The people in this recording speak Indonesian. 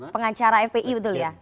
pengacara fpi betul ya